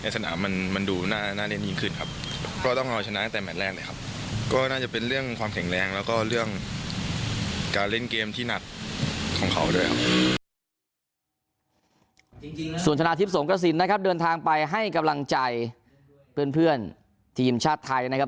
ส่วนชนะทิพย์สงกระสินนะครับเดินทางไปให้กำลังใจเพื่อนทีมชาติไทยนะครับ